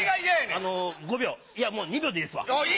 あの５秒いやもう２秒でいいですわ。